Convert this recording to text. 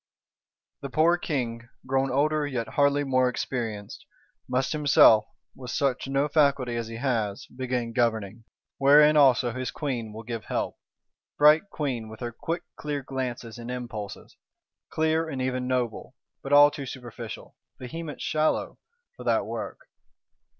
The poor King, grown older yet hardly more experienced, must himself, with such no faculty as he has, begin governing; wherein also his Queen will give help. Bright Queen, with her quick clear glances and impulses; clear, and even noble; but all too superficial, vehement shallow, for that work!